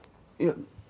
いや。